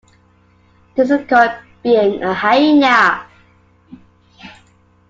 This is called being a "hyena".